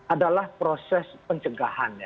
adalah proses pencegahan ya